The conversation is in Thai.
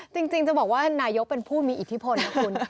จริงจะบอกว่านายกเป็นผู้มีอิทธิพลนะคุณ